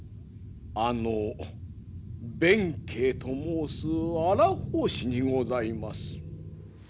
あの弁慶と申す荒法師にございます。